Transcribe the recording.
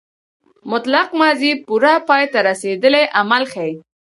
مطلق ماضي پوره پای ته رسېدلی عمل ښيي.